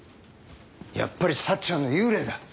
やっぱり幸ちゃんの幽霊だ。